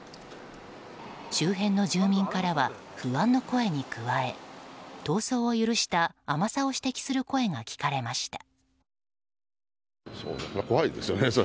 周辺の住民からは不安の声に加え逃走を許した甘さを指摘する声が聴かれました。